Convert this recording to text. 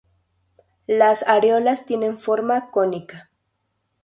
Las areolas tienen forma cónica.